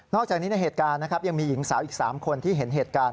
อกจากนี้ในเหตุการณ์นะครับยังมีหญิงสาวอีก๓คนที่เห็นเหตุการณ์